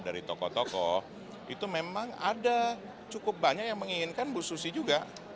dari tokoh tokoh itu memang ada cukup banyak yang menginginkan bu susi juga